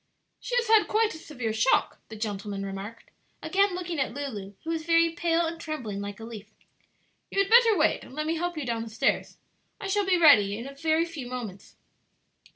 "She has had quite a severe shock," the gentleman remarked, again looking at Lulu, who was very pale and trembling like a leaf. "You had better wait and let me help you down the stairs. I shall be ready in a very few moments."